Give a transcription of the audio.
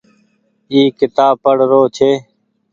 اي ڪيتآب پڙ رو ڇي۔